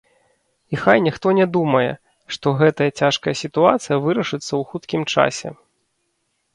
І хай ніхто не думае, што гэтая цяжкая сітуацыя вырашыцца ў хуткім часе.